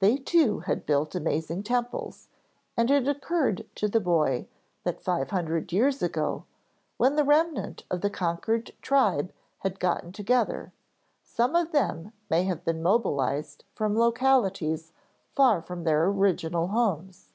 They too had built amazing temples, and it occurred to the boy that five hundred years ago, when the remnant of the conquered tribe had gotten together, some of them may have been mobilized from localities far from their original homes.